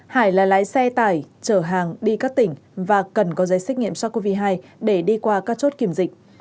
hải là lái xe tải chở hàng đi các tỉnh và cần có giấy xét nghiệm sars cov hai để đi qua các chốt kiểm dịch